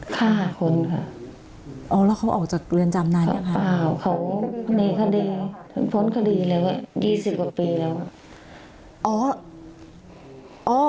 ฆ่าคนค่ะอ๋อแล้วเขาออกจากเรือนจำนานอย่างไรเปล่าเขามีคดีพ้นคดีแล้วอ่ะ